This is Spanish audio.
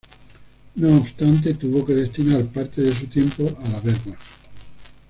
No obstante, tuvo que destinar parte de su tiempo a la Wehrmacht.